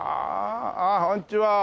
ああこんにちは。